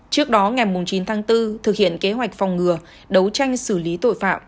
trước đó ngày chín tháng bốn thực hiện kế hoạch phòng ngừa đấu tranh xử lý tội phạm